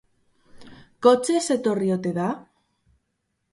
Kotxez etorri ote da?